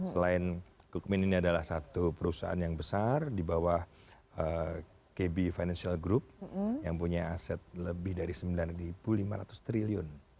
selain cookmin ini adalah satu perusahaan yang besar di bawah kb financial group yang punya aset lebih dari rp sembilan lima ratus triliun